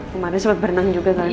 pemadanya sempet berenang juga kali